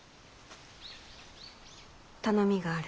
頼みがある。